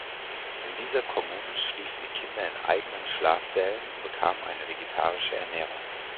In dieser Kommune schliefen die Kinder in eigenen Schlafsälen und bekamen eine vegetarische Ernährung.